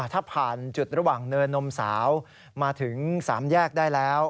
ถ้าผ่านจุดระหว่างเนินนมสาวมาถึง๓แยกได้แล้ว